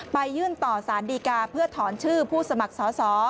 ยื่นต่อสารดีกาเพื่อถอนชื่อผู้สมัครสอสอ